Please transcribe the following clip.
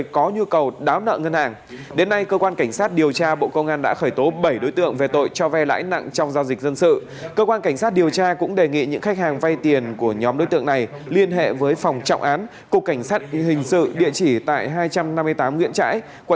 cơ quan cảnh sát điều tra bộ công an đã khởi tố bảy đối tượng về tội cho ve lãi nặng trong giao dịch dân sự